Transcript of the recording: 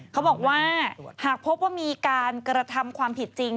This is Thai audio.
เขาบอกว่าหากพบว่ามีการกระทำความผิดจริง